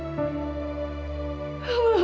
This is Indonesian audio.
maafin aku ratu